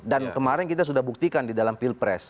dan kemarin kita sudah buktikan di dalam pilpres